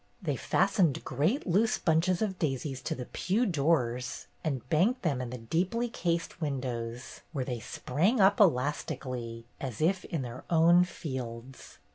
They fastened great loose bunches of daisies to the pew doors, and banked them in the deeply cased windows, where they sprang up elastically, as if in their own fields.